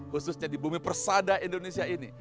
khususnya di bumi persada indonesia ini